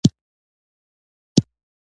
• بښل تا ته عزت درکوي.